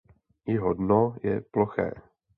Jeho dno je ploché.